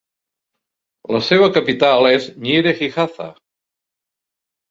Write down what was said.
La seva capital és Nyíregyháza.